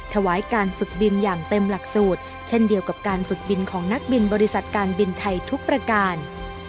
ถวายการฝึกบินอย่างเต็มหลักสูตรเช่นเดียวกับการฝึกบินของนักบินบริษัทการบินไทยทุกประการ